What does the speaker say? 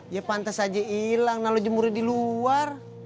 ya pantas aja hilang nah lo jemur di luar